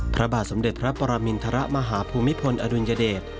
พระบาทสมเด็จพระปรมินทรมาฮภูมิพลอดุลยเดช